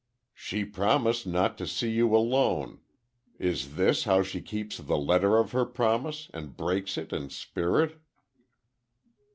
"She promised not to see you alone—is this how she keeps the letter of her promise and breaks it in spirit?"